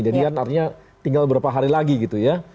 jadi artinya tinggal beberapa hari lagi gitu ya